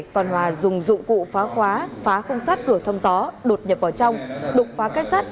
còn hòa dùng dụng cụ phá khóa phá không sát cửa thâm gió đột nhập vào trong đục phá cách sát